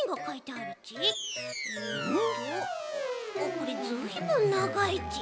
これずいぶんながいち。